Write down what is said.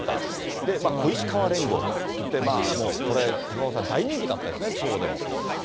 で、小石河連合っていって、もうこれ、高岡さん、大人気だったですね、地方でも。